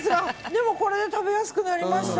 でも、これで食べやすくなりました。